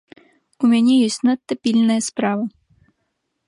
У мяне ёсць надта пільная справа.